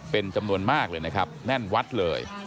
เป็นจำนวนมากเลยนะครับแน่นวัดเลย